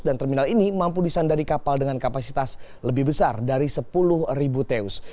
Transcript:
dan terminal ini mampu disandari kapal dengan kapasitas lebih besar dari sepuluh teus